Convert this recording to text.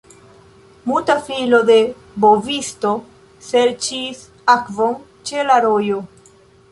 Muta filo de bovisto serĉis akvon ĉe la rojo.